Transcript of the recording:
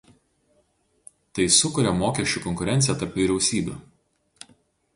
Tai sukuria mokesčių konkurenciją tarp vyriausybių.